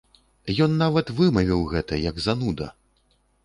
Ён нават вымавіў гэта, як зануда!